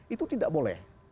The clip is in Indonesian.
itu tidak boleh